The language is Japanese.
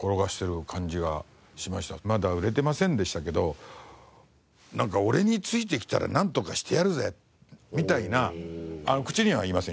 まだ売れてませんでしたけどなんか「俺についてきたらなんとかしてやるぜ」みたいな口には言いませんよ？